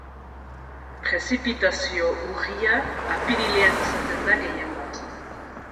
Prezipitazio urria apirilean izaten da gehien bat